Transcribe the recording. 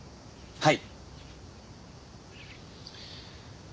はい。